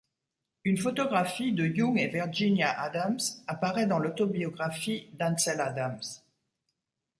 Une photographie de Young et Virginia Adams apparaît dans l'autobiographie d'Ansel Adams.